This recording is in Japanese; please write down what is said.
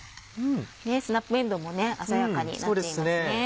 スナップえんどうも鮮やかになっていますね。